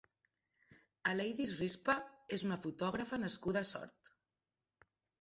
Aleydis Rispa és una fotògrafa nascuda a Sort.